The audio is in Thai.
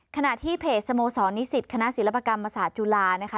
ขณะที่เพจสโมสรนิสิตคณะศิลปกรรมศาสตร์จุฬานะคะ